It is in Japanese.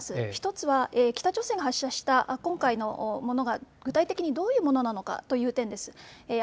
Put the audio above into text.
１つは北朝鮮が発射した今回のものが具体的にどういうものなのかという点です。